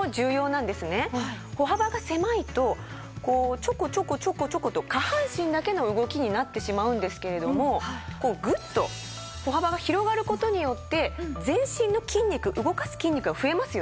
歩幅が狭いとこうチョコチョコチョコチョコと下半身だけの動きになってしまうんですけれどもこうグッと歩幅が広がる事によって全身の筋肉動かす筋肉が増えますよね。